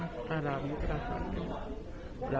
tapi sekarang rasanya